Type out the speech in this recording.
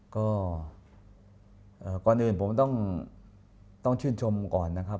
ก็ก่อนอื่นผมต้องชื่นชมก่อนนะครับ